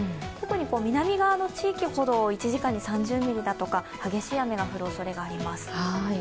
特に南側の地域ほど１時間に３０ミリだとか激しい雨が降るおそれがあります。